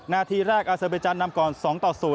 นาทีแรกอาเซอร์เบจันนำก่อน๒ต่อ๐